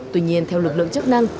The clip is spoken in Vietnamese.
tuy nhiên theo lực lượng chức năng